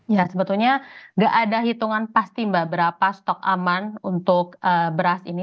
ya sebetulnya nggak ada hitungan pasti mbak berapa stok aman untuk beras ini